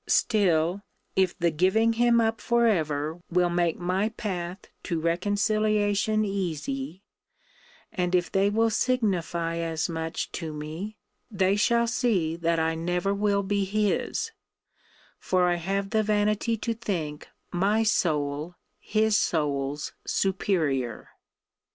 Still, if the giving him up for ever will make my path to reconciliation easy, and if they will signify as much to me, they shall see that I never will be his: for I have the vanity to think my soul his soul's superior.